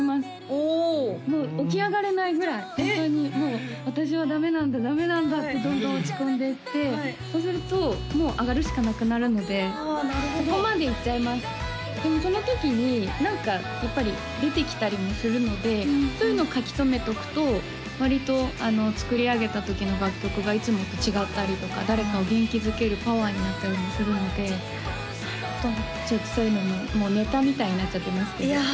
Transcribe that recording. おおもう起き上がれないぐらいホントにもう「私はダメなんだダメなんだ」ってどんどん落ち込んでいってそうするともう上がるしかなくなるのでああなるほどそこまでいっちゃいますでもその時に何かやっぱり出てきたりもするのでそういうの書き留めておくと割と作り上げた時の楽曲がいつもと違ったりとか誰かを元気づけるパワーになったりもするのでちょっとそういうのもネタみたいになっちゃってますけどいや